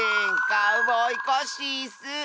カウボーイコッシーッス。